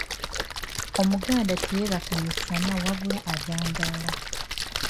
Omuganda teyeebaka misana wabula agandaala.